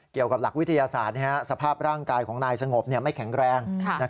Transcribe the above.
เกี่ยวกับหลักวิทยาศาสตร์สภาพร่างกายของนายสงบไม่แข็งแรง